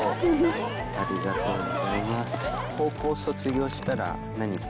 ありがとうございます。